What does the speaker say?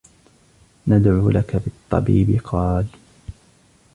نَدْعُو لَك بِالطَّبِيبِ ؟ قَالَ